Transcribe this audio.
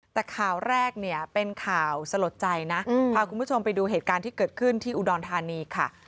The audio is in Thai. แต่ข่าวแรกเนี่ยเป็นข่าวสลดใจนะพาคุณผู้ชมไปดูเหตุการณ์ที่เกิดขึ้นที่อุดรธานีค่ะ